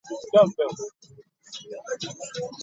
The chem-free freshman house at Bates College is named after him.